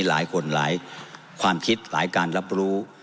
หลายคนหลายความคิดหลายการรับรู้